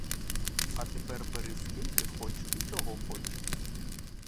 А тепер бери скільки хоч і чого хоч.